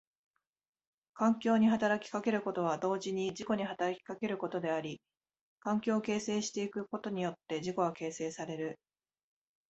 環境に働きかけることは同時に自己に働きかけることであり、環境を形成してゆくことによって自己は形成される。